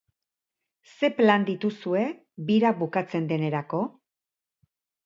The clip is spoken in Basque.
Zer plan dituzue bira bukatzen denerako?